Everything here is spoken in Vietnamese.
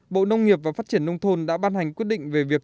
bộ nông nghiệp và phát triển nông thôn đã ban hành quyết định về việc